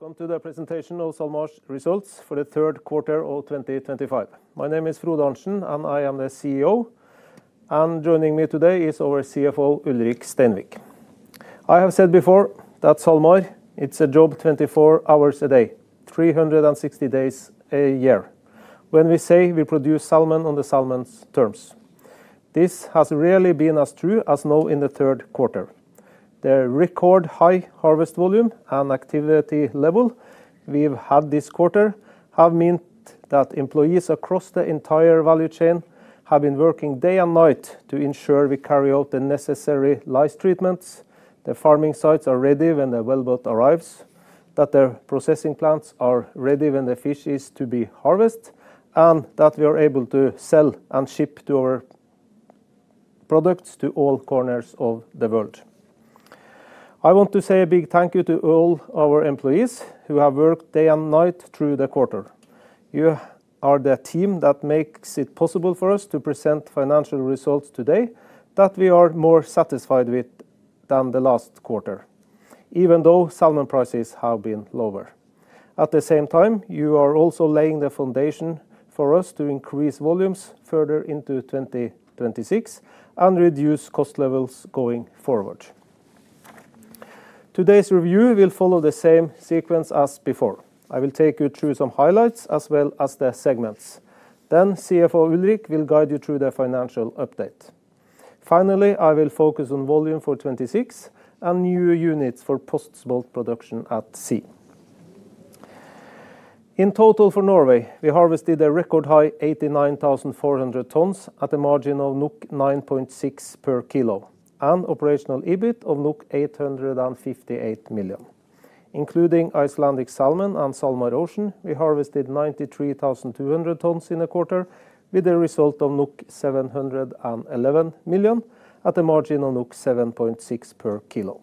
Welcome to the presentation of SalMar's results for the third quarter of 2025. My name is Frode Arntsen, and I am the CEO. Joining me today is our CFO, Ulrik Steinvik. I have said before that SalMar is a job 24 hours a day, 360 days a year. When we say we produce salmon on the salmon's terms, this has really been as true as now in the third quarter. The record high harvest volume and activity level we've had this quarter have meant that employees across the entire value chain have been working day and night to ensure we carry out the necessary lice treatments, the farming sites are ready when the whale boat arrives, that the processing plants are ready when the fish is to be harvested, and that we are able to sell and ship our products to all corners of the world. I want to say a big thank you to all our employees who have worked day and night through the quarter. You are the team that makes it possible for us to present financial results today that we are more satisfied with than the last quarter, even though salmon prices have been lower. At the same time, you are also laying the foundation for us to increase volumes further into 2026 and reduce cost levels going forward. Today's review will follow the same sequence as before. I will take you through some highlights as well as the segments. Then CFO Ulrik will guide you through the financial update. Finally, I will focus on volume for 2026 and new units for post-smolt production at sea. In total for Norway, we harvested a record high 89,400 tons at a margin of 9.6 per kilo and operational EBIT of 858 million. Including Icelandic salmon and SalMar Ocean, we harvested 93,200 tons in the quarter, with a result of 711 million at a margin of 7.6 per kilo.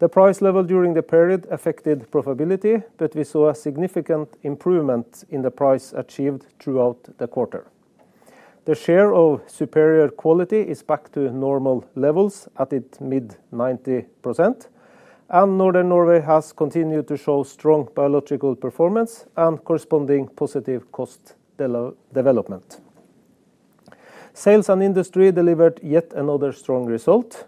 The price level during the period affected profitability, but we saw a significant improvement in the price achieved throughout the quarter. The share of superior quality is back to normal levels at its mid-90%. Northern Norway has continued to show strong biological performance and corresponding positive cost development. Sales and industry delivered yet another strong result,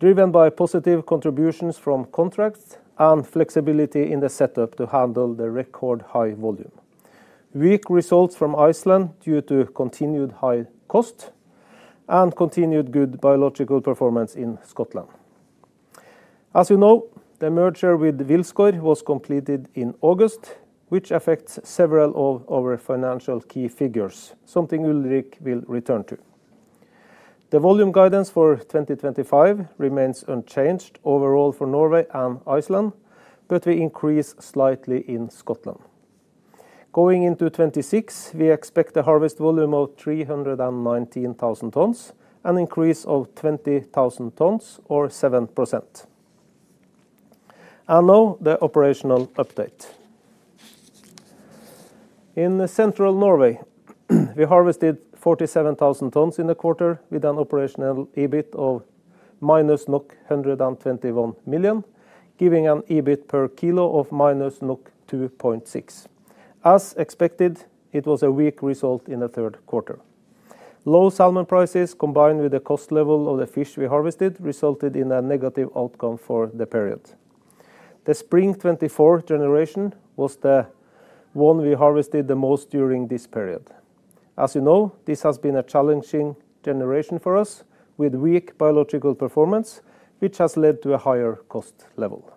driven by positive contributions from contracts and flexibility in the setup to handle the record high volume. Weak results from Iceland due to continued high cost, and continued good biological performance in Scotland. As you know, the merger with Vilskoi was completed in August, which affects several of our financial key figures, something Ulrik will return to. The volume guidance for 2025 remains unchanged overall for Norway and Iceland, but we increase slightly in Scotland. Going into 2026, we expect a harvest volume of 319,000 tons and an increase of 20,000 tons, or 7%. Now the operational update. In Central Norway, we harvested 47,000 tons in the quarter with an operational EBIT of -121 million, giving an EBIT per kilo of -2.6. As expected, it was a weak result in the third quarter. Low salmon prices, combined with the cost level of the fish we harvested, resulted in a negative outcome for the period. The Spring 2024 generation was the one we harvested the most during this period. As you know, this has been a challenging generation for us with weak biological performance, which has led to a higher cost level.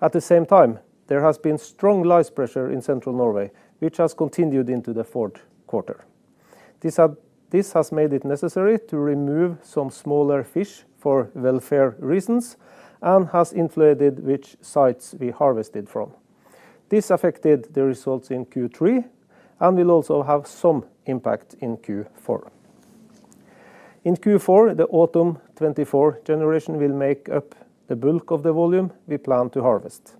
At the same time, there has been strong lice pressure in Central Norway, which has continued into the fourth quarter. This has made it necessary to remove some smaller fish for welfare reasons and has influenced which sites we harvested from. This affected the results in Q3 and will also have some impact in Q4. In Q4, the Autumn 2024 generation will make up the bulk of the volume we plan to harvest.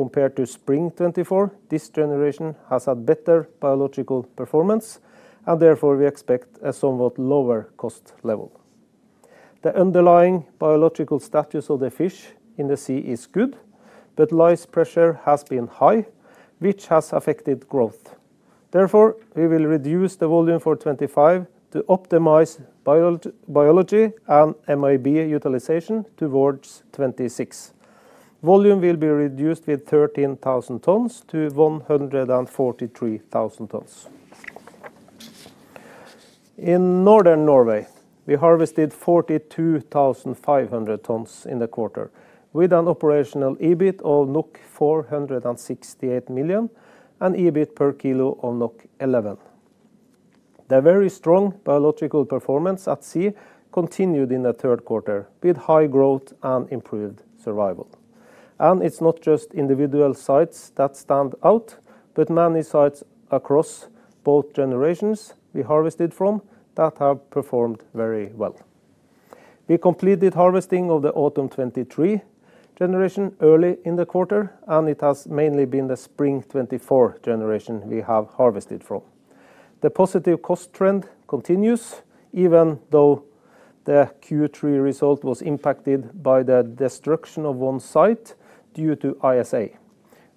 Compared to Spring 2024, this generation has had better biological performance, and therefore we expect a somewhat lower cost level. The underlying biological status of the fish in the sea is good, but lice pressure has been high, which has affected growth. Therefore, we will reduce the volume for 2025 to optimize biology and MIB utilization towards 2026. Volume will be reduced by 13,000 tons-143,000 tons. In Northern Norway, we harvested 42,500 tons in the quarter with an operational EBIT of 468 million and EBIT per kilo of 11. The very strong biological performance at sea continued in the third quarter with high growth and improved survival. It is not just individual sites that stand out, but many sites across both generations we harvested from that have performed very well. We completed harvesting of the Autumn 2023 generation early in the quarter, and it has mainly been the Spring 2024 generation we have harvested from. The positive cost trend continues even though the Q3 result was impacted by the destruction of one site due to ISA,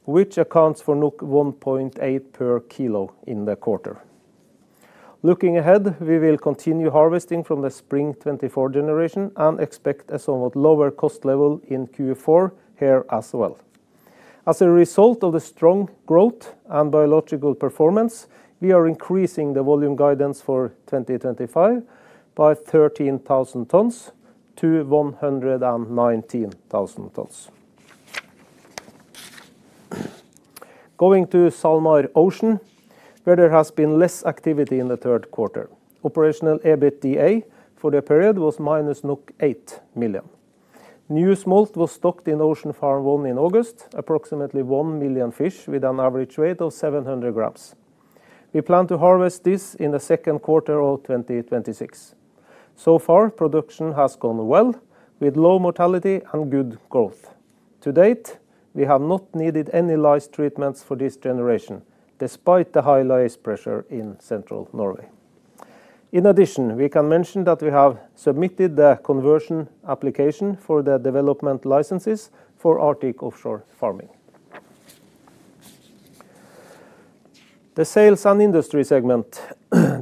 which accounts for 1.8 per kilo in the quarter. Looking ahead, we will continue harvesting from the Spring 2024 generation and expect a somewhat lower cost level in Q4 here as well. As a result of the strong growth and biological performance, we are increasing the volume guidance for 2025 by 13,000 tons-119,000 tons. Going to SalMar Ocean, where there has been less activity in the third quarter, operational EBITDA for the period was -8 million. New smolt was stocked in Ocean Farm One in August, approximately 1 million fish with an average weight of 700 g. We plan to harvest this in the second quarter of 2026. So far, production has gone well with low mortality and good growth. To date, we have not needed any lice treatments for this generation, despite the high lice pressure in Central Norway. In addition, we can mention that we have submitted the conversion application for the development licenses for Arctic offshore farming. The sales and industry segment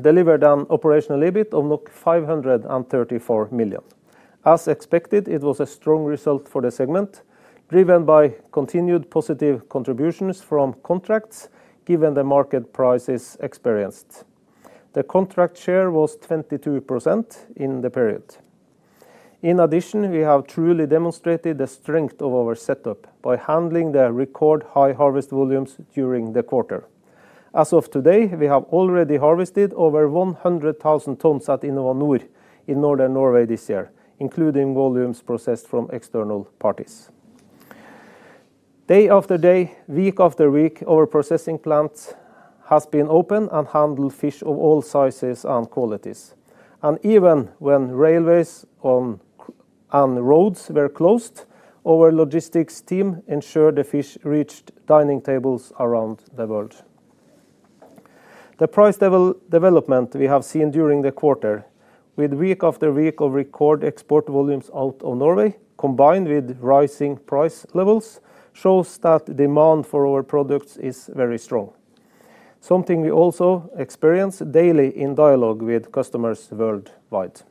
delivered an operational EBIT of 534 million. As expected, it was a strong result for the segment, driven by continued positive contributions from contracts given the market prices experienced. The contract share was 22% in the period. In addition, we have truly demonstrated the strength of our setup by handling the record high harvest volumes during the quarter. As of today, we have already harvested over 100,000 tons at Innova Nord in Northern Norway this year, including volumes processed from external parties. Day after day, week after week, our processing plants have been open and handle fish of all sizes and qualities. Even when railways and roads were closed, our logistics team ensured the fish reached dining tables around the world. The price development we have seen during the quarter, with week after week of record export volumes out of Norway combined with rising price levels, shows that demand for our products is very strong. Something we also experience daily in dialogue with customers worldwide.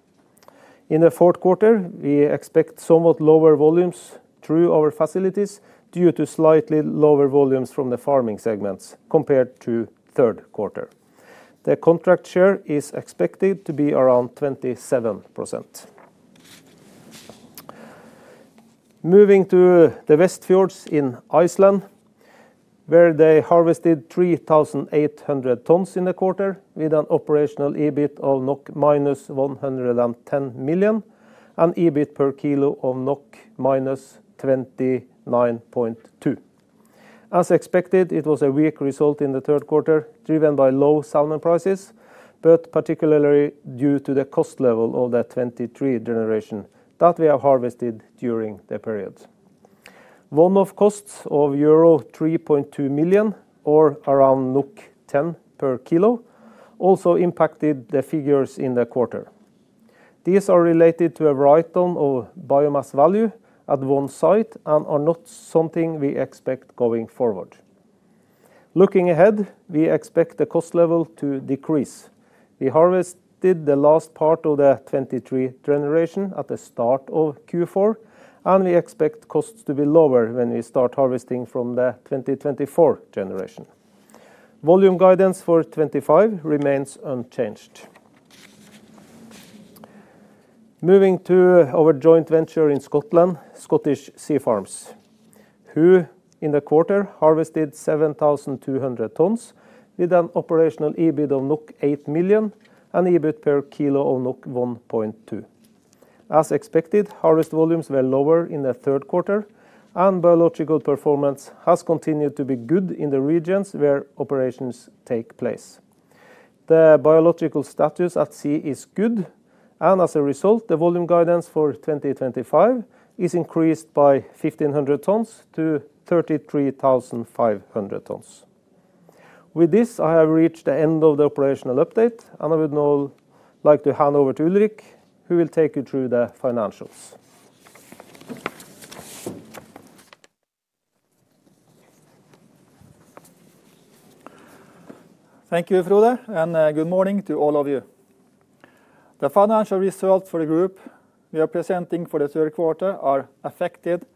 In the fourth quarter, we expect somewhat lower volumes through our facilities due to slightly lower volumes from the farming segments compared to the third quarter. The contract share is expected to be around 27%. Moving to the Westfjords in Iceland, where they harvested 3,800 tons in the quarter with an operational EBIT of -110 million and EBIT per kilo of -29.2. As expected, it was a weak result in the third quarter, driven by low salmon prices, but particularly due to the cost level of the 2023 generation that we have harvested during the period. One-off costs of euro 3.2 million, or around 10 per kilo, also impacted the figures in the quarter. These are related to a write-down of biomass value at one site and are not something we expect going forward. Looking ahead, we expect the cost level to decrease. We harvested the last part of the 2023 generation at the start of Q4, and we expect costs to be lower when we start harvesting from the 2024 generation. Volume guidance for 2025 remains unchanged. Moving to our joint venture in Scotland, Scottish Sea Farms, who in the quarter harvested 7,200 tons with an operational EBIT of 8 million and EBIT per kilo of 1.2. As expected, harvest volumes were lower in the third quarter, and biological performance has continued to be good in the regions where operations take place. The biological status at sea is good, and as a result, the volume guidance for 2025 is increased by 1,500 tons-33,500 tons. With this, I have reached the end of the operational update, and I would now like to hand over to Ulrik, who will take you through the financials. Thank you, Frode, and good morning to all of you. The financial results for the group we are presenting for the third quarter are affected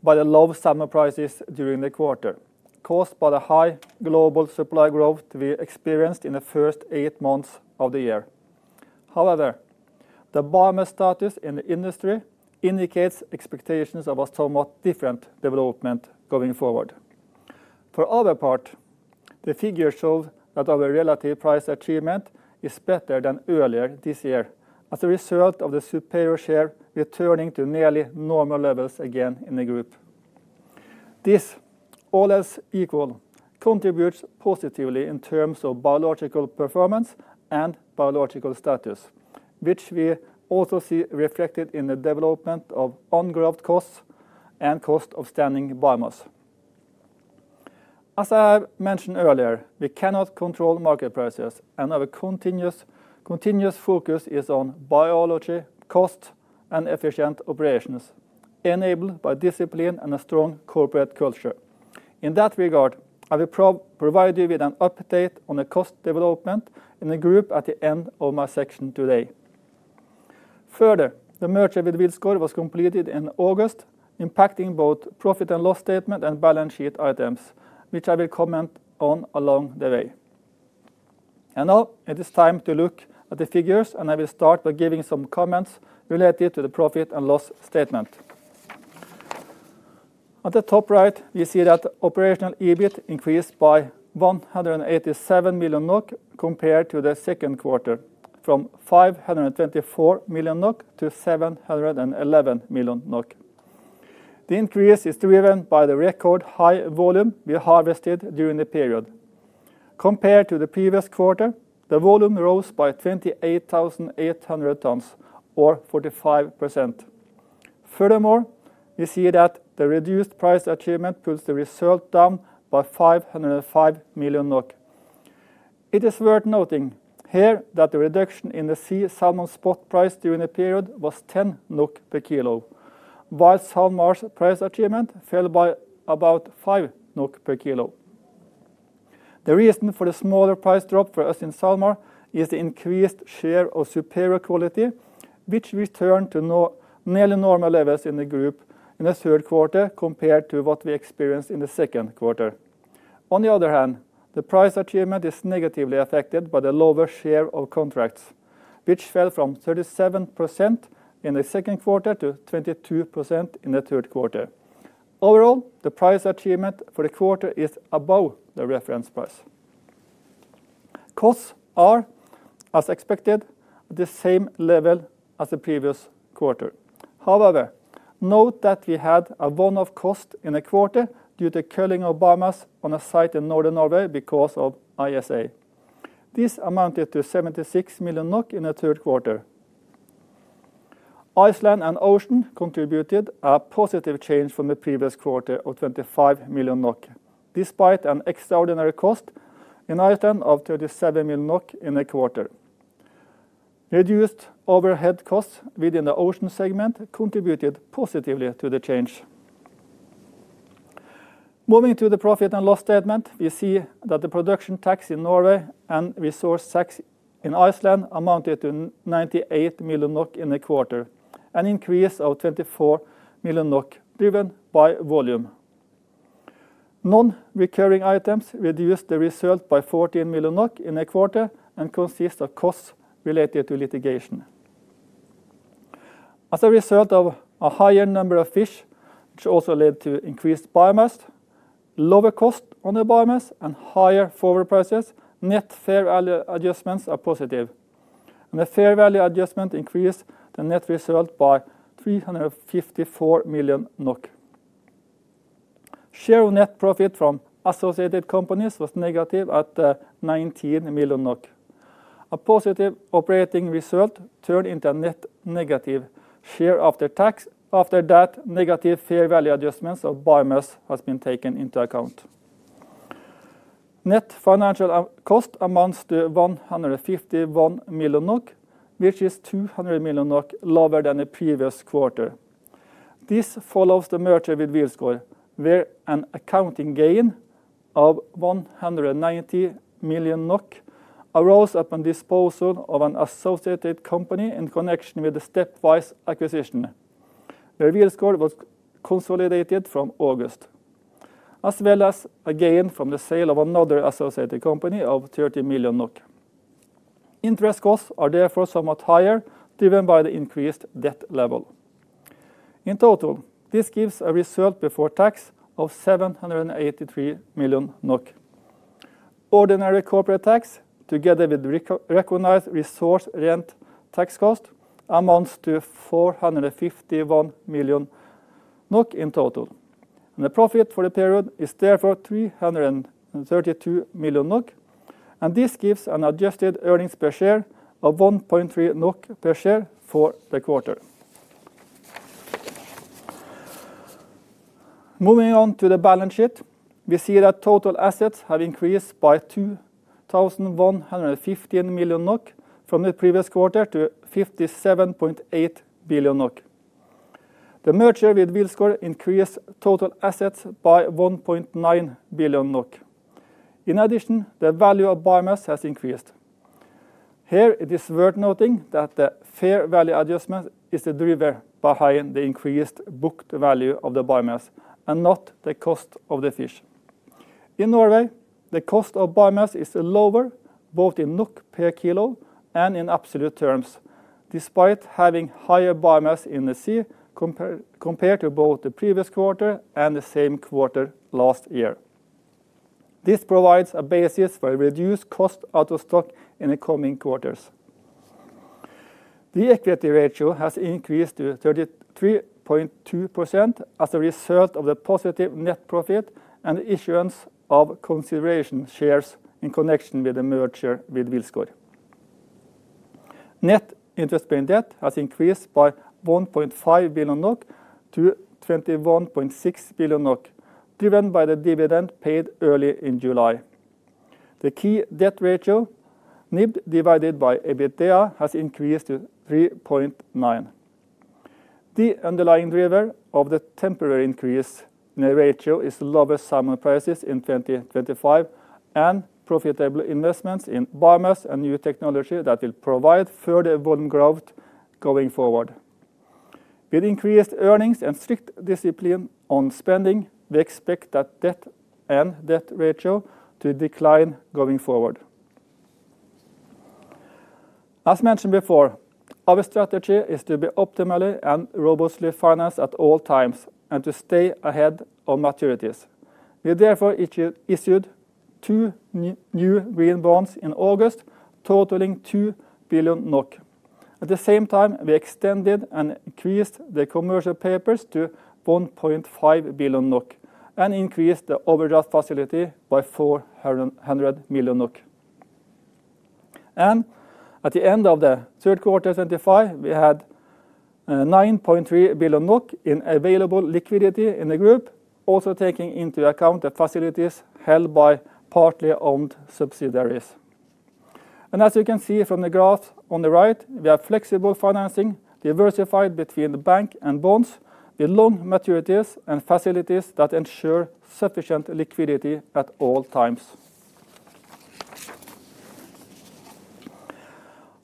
by the low salmon prices during the quarter, caused by the high global supply growth we experienced in the first eight months of the year. However, the biomass status in the industry indicates expectations of a somewhat different development going forward. For our part, the figure shows that our relative price achievement is better than earlier this year, as a result of the superior share returning to nearly normal levels again in the group. This, all else equal, contributes positively in terms of biological performance and biological status, which we also see reflected in the development of underlying growth costs and cost of standing biomass. As I mentioned earlier, we cannot control market prices, and our continuous focus is on biology, cost, and efficient operations, enabled by discipline and a strong corporate culture. In that regard, I will provide you with an update on the cost development in the group at the end of my section today. Further, the merger with Vilskoi was completed in August, impacting both profit and loss statement and balance sheet items, which I will comment on along the way. Now it is time to look at the figures, and I will start by giving some comments related to the profit and loss statement. At the top right, you see that operational EBIT increased by 187 million NOK compared to the second quarter, from 524 million-711 million NOK. The increase is driven by the record high volume we harvested during the period. Compared to the previous quarter, the volume rose by 28,800 tons, or 45%. Furthermore, you see that the reduced price achievement puts the result down by 505 million NOK. It is worth noting here that the reduction in the sea salmon spot price during the period was 10 NOK per kilo, while SalMar's price achievement fell by about 5 NOK per kilo. The reason for the smaller price drop for us in SalMar is the increased share of superior quality, which returned to nearly normal levels in the group in the third quarter compared to what we experienced in the second quarter. On the other hand, the price achievement is negatively affected by the lower share of contracts, which fell from 37% in the second quarter to 22% in the third quarter. Overall, the price achievement for the quarter is above the reference price. Costs are, as expected, at the same level as the previous quarter. However, note that we had a one-off cost in the quarter due to culling of biomass on a site in Northern Norway because of ISA. This amounted to 76 million NOK in the third quarter. Iceland and Ocean contributed a positive change from the previous quarter of 25 million NOK, despite an extraordinary cost in Iceland of EUR 37 million in the quarter. Reduced overhead costs within the Ocean segment contributed positively to the change. Moving to the profit and loss statement, we see that the production tax in Norway and resource tax in Iceland amounted to 98 million NOK in the quarter, an increase of 24 million NOK driven by volume. Non-recurring items reduced the result by 14 million NOK in the quarter and consist of costs related to litigation. As a result of a higher number of fish, which also led to increased biomass, lower cost on the biomass, and higher forward prices, net fair value adjustments are positive. The fair value adjustment increased the net result by 354 million NOK. Share of net profit from associated companies was negative at 19 million NOK. A positive operating result turned into a net negative share after tax. After that, negative fair value adjustments of biomass have been taken into account. Net financial cost amounts to 151 million NOK, which is 200 million NOK lower than the previous quarter. This follows the merger with Vilskoi, where an accounting gain of 190 million NOK arose upon disposal of an associated company in connection with the stepwise acquisition. Where Vilskoi was consolidated from August. As well as a gain from the sale of another associated company of 30 million NOK. Interest costs are therefore somewhat higher, driven by the increased debt level. In total, this gives a result before tax of 783 million NOK. Ordinary corporate tax, together with recognized resource rent tax cost, amounts to 451 million NOK in total. The profit for the period is therefore 332 million NOK, and this gives an adjusted earnings per share of 1.3 NOK per share for the quarter. Moving on to the balance sheet, we see that total assets have increased by 2,115 million NOK from the previous quarter to 57.8 billion NOK. The merger with Vilskoi increased total assets by 1.9 billion NOK. In addition, the value of biomass has increased. Here, it is worth noting that the fair value adjustment is the driver behind the increased booked value of the biomass and not the cost of the fish. In Norway, the cost of biomass is lower, both in NOK 1 per kilo and in absolute terms, despite having higher biomass in the sea compared to both the previous quarter and the same quarter last year. This provides a basis for a reduced cost out of stock in the coming quarters. The equity ratio has increased to 33.2% as a result of the positive net profit and issuance of consideration shares in connection with the merger with Vilskoi. Net interest-bearing debt has increased by 1.5 billion-21.6 billion NOK, driven by the dividend paid early in July. The key debt ratio, NIB divided by EBITDA, has increased to 3.9. The underlying driver of the temporary increase in the ratio is lower salmon prices in 2025 and profitable investments in biomass and new technology that will provide further volume growth going forward. With increased earnings and strict discipline on spending, we expect that debt and debt ratio to decline going forward. As mentioned before, our strategy is to be optimally and robustly financed at all times and to stay ahead of maturities. We therefore issued two new green bonds in August, totaling 2 billion NOK. At the same time, we extended and increased the commercial papers to 1.5 billion NOK and increased the overdraft facility by 400 million NOK. At the end of the third quarter 2025, we had 9.3 billion NOK in available liquidity in the group, also taking into account the facilities held by partly owned subsidiaries. As you can see from the graph on the right, we have flexible financing diversified between the bank and bonds with long maturities and facilities that ensure sufficient liquidity at all times.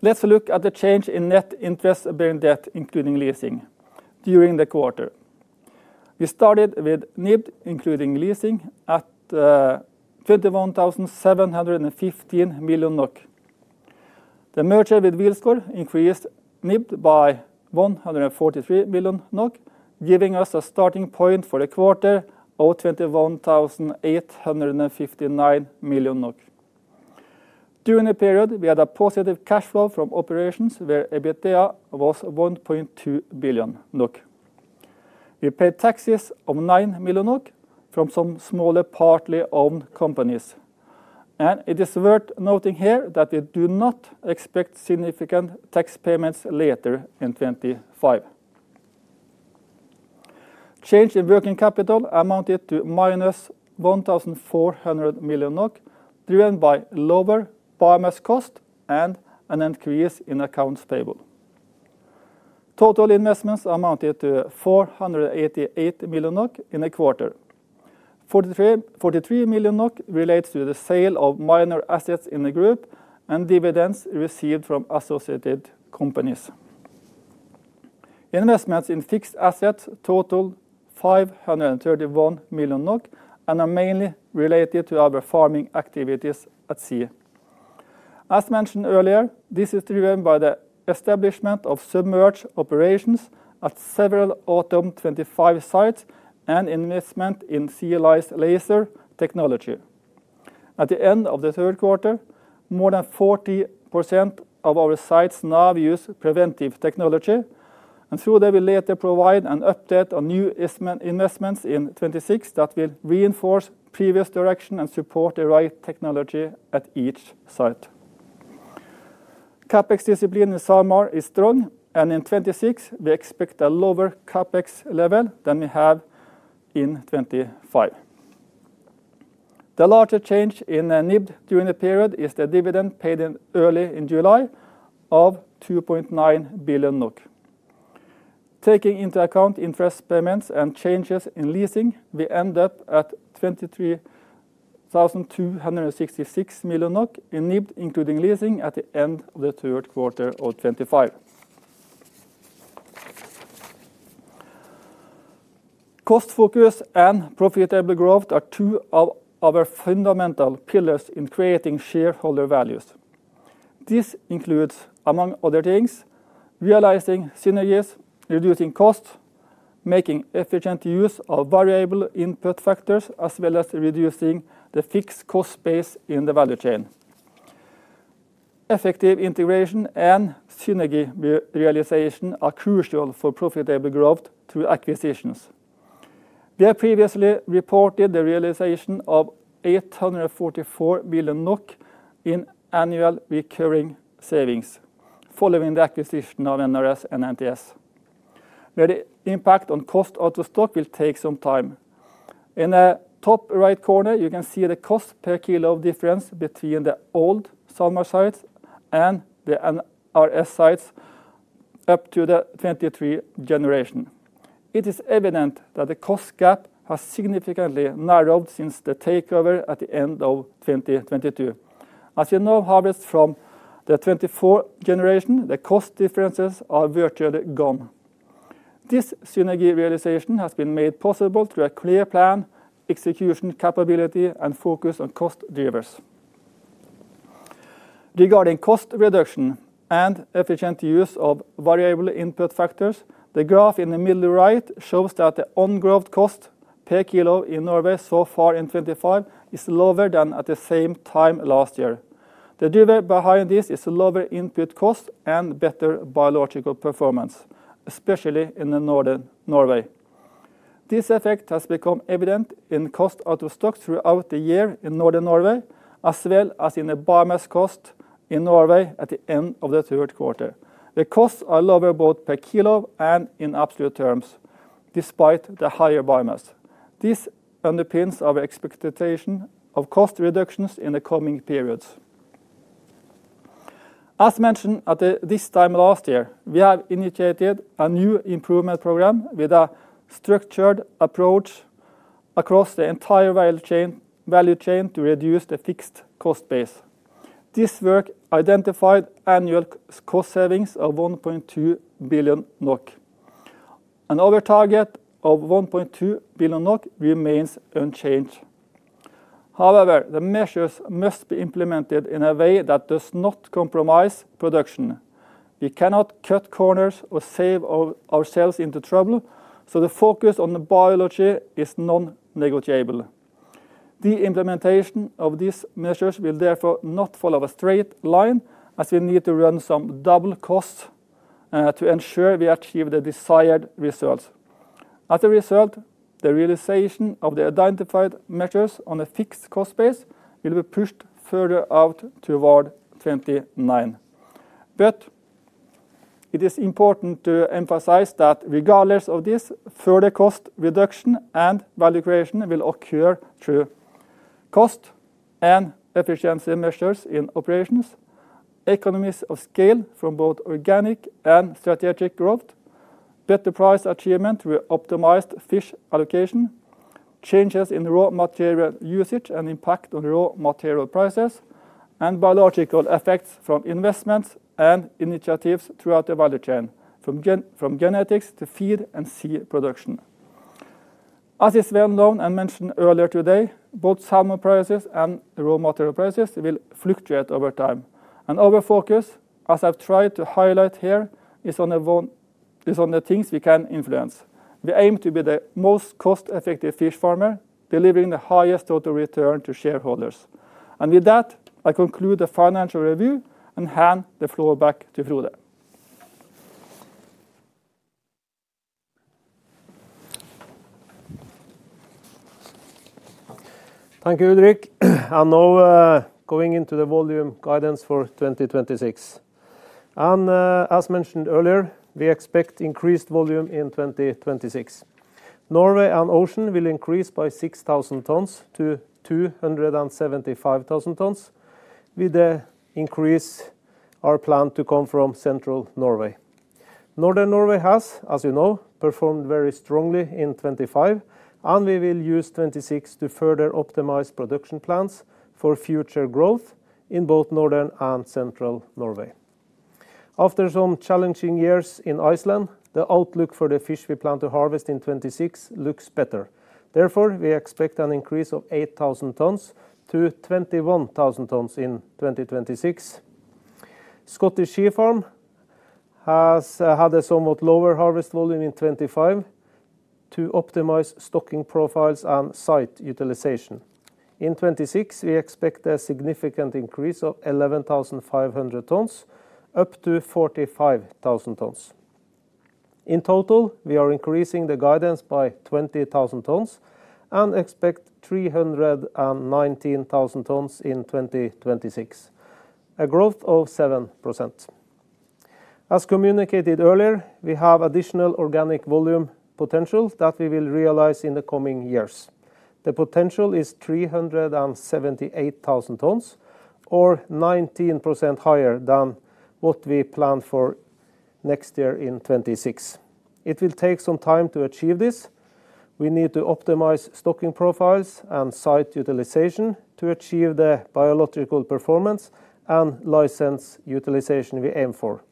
Let's look at the change in net interest-bearing debt, including leasing, during the quarter. We started with NIB, including leasing, at 21,715 million NOK. The merger with Vilskoi increased NIB by 143 million NOK, giving us a starting point for the quarter of 21,859 million NOK. During the period, we had a positive cash flow from operations, where EBITDA was 1.2 billion NOK. We paid taxes of 9 million NOK from some smaller partly owned companies. It is worth noting here that we do not expect significant tax payments later in 2025. Change in working capital amounted to -1,400 million NOK, driven by lower biomass cost and an increase in accounts payable. Total investments amounted to 488 million NOK in the quarter. 43 million NOK relates to the sale of minor assets in the group and dividends received from associated companies. Investments in fixed assets total 531 million NOK and are mainly related to our farming activities at sea. As mentioned earlier, this is driven by the establishment of submerged operations at several Autumn 2025 sites and investment in sea-lice laser technology. At the end of the third quarter, more than 40% of our sites now use preventive technology, and through that, we later provide an update on new investments in 2026 that will reinforce previous direction and support the right technology at each site. CapEx discipline in SalMar is strong, and in 2026, we expect a lower CapEx level than we have in 2025. The larger change in NIB during the period is the dividend paid early in July of 2.9 billion NOK. Taking into account interest payments and changes in leasing, we end up at 23,266 million NOK in NIB, including leasing, at the end of the third quarter of 2025. Cost focus and profitable growth are two of our fundamental pillars in creating shareholder values. This includes, among other things, realizing synergies, reducing costs, making efficient use of variable input factors, as well as reducing the fixed cost space in the value chain. Effective integration and synergy realization are crucial for profitable growth through acquisitions. We have previously reported the realization of 844 million NOK in annual recurring savings following the acquisition of NRS and NTS. The impact on cost out of stock will take some time. In the top right corner, you can see the cost per kilo of difference between the old SalMar sites and the NRS sites. Up to the 2023 generation. It is evident that the cost gap has significantly narrowed since the takeover at the end of 2022. As you know, harvests from the 2024 generation, the cost differences are virtually gone. This synergy realization has been made possible through a clear plan, execution capability, and focus on cost drivers. Regarding cost reduction and efficient use of variable input factors, the graph in the middle right shows that the on-growth cost per kilo in Norway so far in 2025 is lower than at the same time last year. The driver behind this is lower input cost and better biological performance, especially in Northern Norway. This effect has become evident in cost out of stock throughout the year in Northern Norway, as well as in the biomass cost in Norway at the end of the third quarter. The costs are lower both per kilo and in absolute terms, despite the higher biomass. This underpins our expectation of cost reductions in the coming periods. As mentioned at this time last year, we have initiated a new improvement program with a structured approach across the entire value chain to reduce the fixed cost base. This work identified annual cost savings of 1.2 billion NOK. An over target of 1.2 billion NOK remains unchanged. However, the measures must be implemented in a way that does not compromise production. We cannot cut corners or save ourselves into trouble, so the focus on the biology is non-negotiable. The implementation of these measures will therefore not follow a straight line, as we need to run some double costs to ensure we achieve the desired results. As a result, the realization of the identified measures on the fixed cost base will be pushed further out toward 2029. It is important to emphasize that regardless of this, further cost reduction and value creation will occur through. Cost and efficiency measures in operations, economies of scale from both organic and strategic growth, better price achievement through optimized fish allocation, changes in raw material usage and impact on raw material prices, and biological effects from investments and initiatives throughout the value chain, from genetics to feed and seed production. As is well known and mentioned earlier today, both salmon prices and the raw material prices will fluctuate over time. Our focus, as I have tried to highlight here, is on the things we can influence. We aim to be the most cost-effective fish farmer, delivering the highest total return to shareholders. With that, I conclude the financial review and hand the floor back to Frode. Thank you, Ulrik. Now going into the volume guidance for 2026. As mentioned earlier, we expect increased volume in 2026. Norway and Ocean will increase by 6,000 tons-275,000 tons, with the increase planned to come from Central Norway. Northern Norway has, as you know, performed very strongly in 2025, and we will use 2026 to further optimize production plans for future growth in both Northern and Central Norway. After some challenging years in Iceland, the outlook for the fish we plan to harvest in 2026 looks better. Therefore, we expect an increase of 8,000 tons-21,000 tons in 2026. Scottish Sea Farms has had a somewhat lower harvest volume in 2025 to optimize stocking profiles and site utilization. In 2026, we expect a significant increase of 11,500 tons up to 45,000 tons. In total, we are increasing the guidance by 20,000 tons and expect 319,000 tons in 2026. A growth of 7%. As communicated earlier, we have additional organic volume potential that we will realize in the coming years. The potential is 378,000 tons, or 19% higher than what we planned for next year in 2026. It will take some time to achieve this. We need to optimize stocking profiles and site utilization to achieve the biological performance and license utilization we aim for.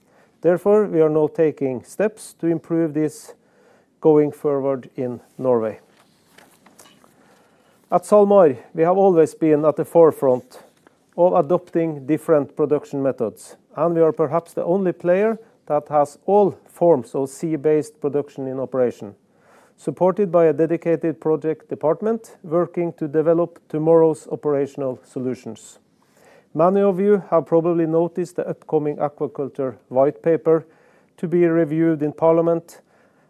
Therefore, we are now taking steps to improve this going forward in Norway. At SalMar, we have always been at the forefront of adopting different production methods, and we are perhaps the only player that has all forms of sea-based production in operation, supported by a dedicated project department working to develop tomorrow's operational solutions. Many of you have probably noticed the upcoming aquaculture white paper to be reviewed in Parliament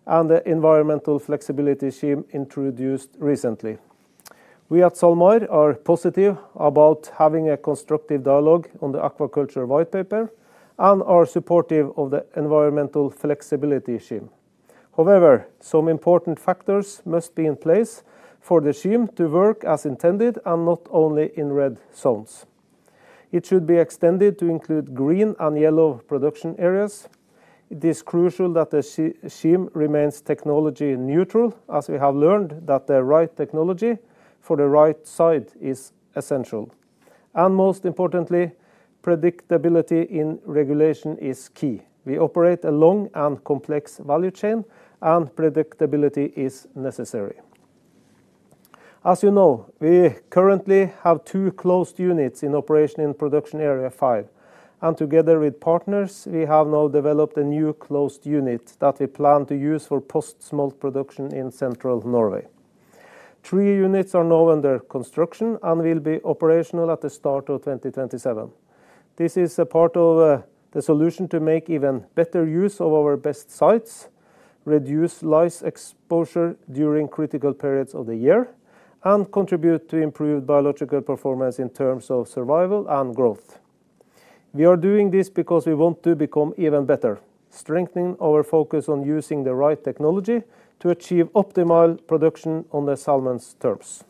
and the environmental flexibility scheme introduced recently. We at SalMar are positive about having a constructive dialogue on the aquaculture white paper and are supportive of the environmental flexibility scheme. However, some important factors must be in place for the scheme to work as intended and not only in red zones. It should be extended to include green and yellow production areas. It is crucial that the scheme remains technology neutral, as we have learned that the right technology for the right site is essential. Most importantly, predictability in regulation is key. We operate a long and complex value chain, and predictability is necessary. As you know, we currently have two closed units in operation in production area 5, and together with partners, we have now developed a new closed unit that we plan to use for post-smolt production in Central Norway. Three units are now under construction and will be operational at the start of 2027. This is a part of the solution to make even better use of our best sites, reduce lice exposure during critical periods of the year, and contribute to improved biological performance in terms of survival and growth. We are doing this because we want to become even better, strengthening our focus on using the right technology to achieve optimal production on the salmon's turfs.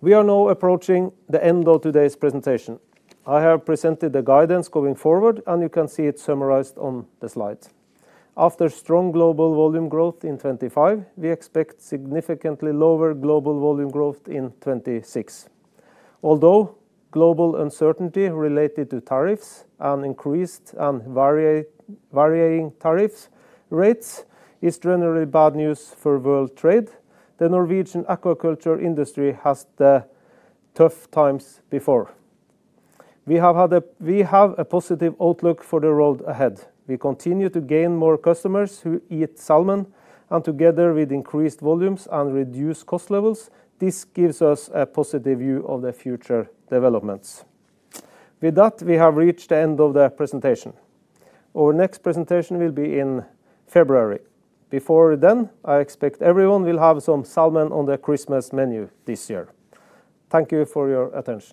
We are now approaching the end of today's presentation. I have presented the guidance going forward, and you can see it summarized on the slides. After strong global volume growth in 2025, we expect significantly lower global volume growth in 2026. Although global uncertainty related to tariffs and increased and varying tariff rates is generally bad news for world trade, the Norwegian aquaculture industry has had tough times before. We have a positive outlook for the road ahead. We continue to gain more customers who eat salmon, and together with increased volumes and reduced cost levels, this gives us a positive view of the future developments. With that, we have reached the end of the presentation. Our next presentation will be in February. Before then, I expect everyone will have some salmon on the Christmas menu this year. Thank you for your attention.